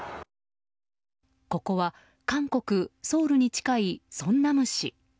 ここは韓国ソウルに近いソンナム市。